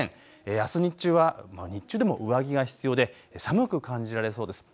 あす日中は日中でも上着が必要で寒く感じられそうです。